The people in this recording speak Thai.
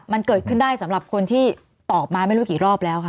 มันเกิดขึ้นได้สำหรับคนที่ตอบมาไม่รู้กี่รอบแล้วค่ะ